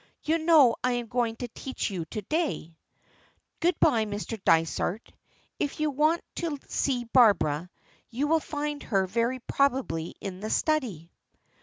You know I am going to teach you to day. Good bye, Mr. Dysart if you want to see Barbara, you will find her very probably in the study."